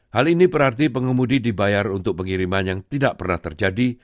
hal ini berarti pengemudi dibayar untuk pengiriman yang tidak pernah terjadi